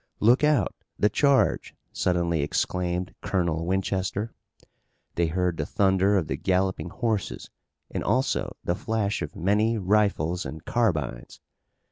"Look out! The charge!" suddenly exclaimed Colonel Winchester. They heard the thunder of the galloping horses, and also the flash of many rifles and carbines.